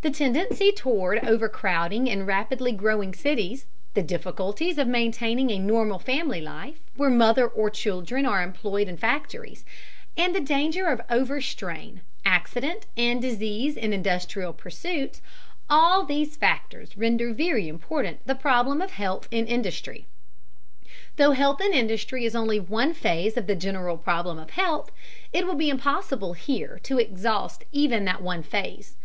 The tendency toward overcrowding in rapidly growing cities, the difficulties of maintaining a normal family life where mother or children are employed in factories, and the danger of overstrain, accident and disease in industrial pursuits, all these factors render very important the problem of health in industry. Though health in industry is only one phase of the general problem of health, it will be impossible here to exhaust even that one phase.